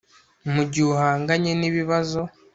mu gihe uhanganye n ibibazo